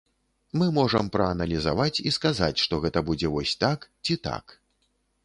Мы можам прааналізаваць і сказаць, што гэта будзе вось так ці так.